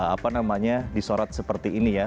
apa namanya disorot seperti ini ya